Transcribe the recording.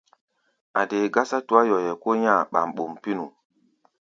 A̧ dee gásá tuá-yoyɛ kó nyá̧-a̧ ɓam-ɓum pínu.